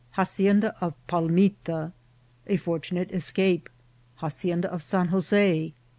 — Hacienda of Pal mita. — A fortunate Escape. — Hacienda of San Jose.